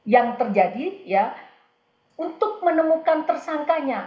yang terjadi untuk menemukan tersangkanya